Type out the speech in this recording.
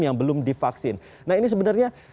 yang belum divaksin nah ini sebenarnya